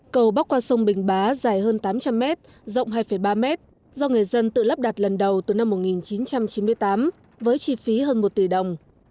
cầu bắc qua sông bình bá dài hơn tám trăm linh mét rộng hai ba mét do người dân tự lắp đặt lần đầu từ năm một nghìn chín trăm chín mươi tám với chi phí hơn một tỷ đồng